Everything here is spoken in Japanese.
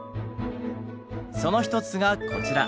その一つがこちら。